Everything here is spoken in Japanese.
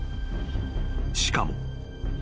［しかも］